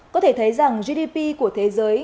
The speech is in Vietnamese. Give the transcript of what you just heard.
có thể thấy rằng gdp của thế giới